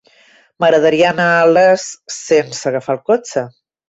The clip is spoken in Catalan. M'agradaria anar a Les sense agafar el cotxe.